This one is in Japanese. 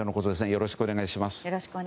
よろしくお願いします。